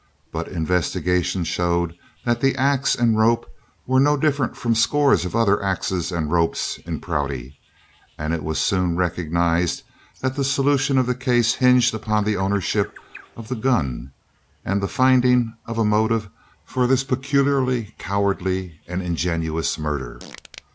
But investigation showed that the axe and rope were no different from scores of other axes and ropes in Prouty, and it was soon recognized that the solution of the case hinged upon the ownership of the gun and the finding of a motive for this peculiarly cowardly and ingenious murder.